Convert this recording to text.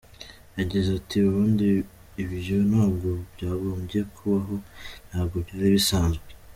Yagize ati “Ubundi ibyo ntabwo byagombye kubaho nabwo byari bisanzwe.